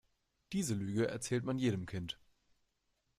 Diese Lüge erzählt man jedem Kind.